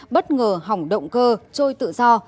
bất ngờ hỏng động cơ trôi tự do